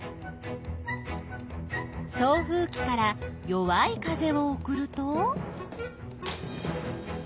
送風きから弱い風を送ると？